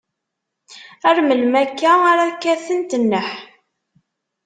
Ar melmi akka ara kkatent nneḥ?